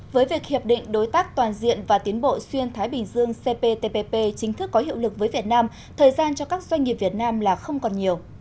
với việc hiệp định đối tác toàn diện và tiến bộ xuyên thái bình dương cptpp chính thức có hiệu lực với việt nam thời gian cho các doanh nghiệp việt nam là không còn nhiều